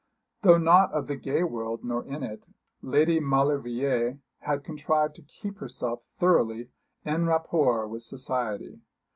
Though not of the gay world, nor in it, Lady Maulevrier had contrived to keep herself thoroughly en rapport with society.